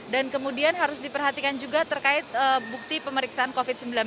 dan kemudian harus diperhatikan juga terkait bukti pemeriksaan covid sembilan belas